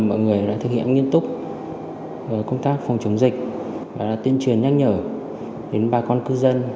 mọi người đã thực hiện nghiêm túc công tác phòng chống dịch và tuyên truyền nhắc nhở đến bà con cư dân